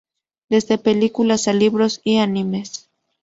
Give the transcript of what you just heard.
Desde películas, a libros y animes.